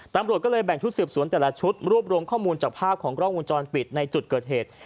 ตำรวจก็เลยแบ่งชุดสืบสวนแต่ละชุดรวบรวมข้อมูลจากภาพของกล้องวงจรปิดในจุดเกิดเหตุ